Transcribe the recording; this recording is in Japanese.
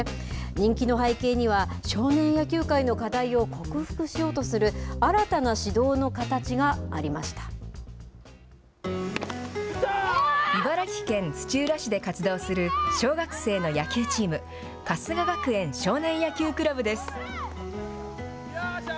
人気の背景には、少年野球界の課題を克服しようとする新たな指導茨城県土浦市で活動する小学生の野球チーム、春日学園少年野球クラブです。